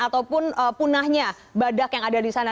ataupun punahnya badak yang ada di sana